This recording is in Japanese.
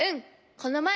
このまえ